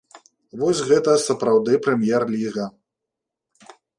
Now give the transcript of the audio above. Вось гэта сапраўды прэм'ер-ліга!